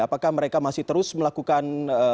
apakah mereka masih terus melakukan